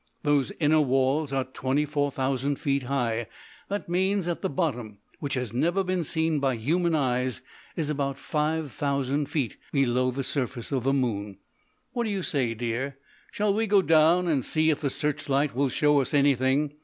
Those inner walls are twenty four thousand feet high; that means that the bottom, which has never been seen by human eyes, is about five thousand feet below the surface of the moon. What do you say, dear shall we go down and see if the searchlight will show us anything?